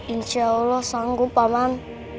insya allah sanggup pak man